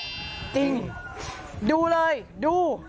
จริงดูเลยดู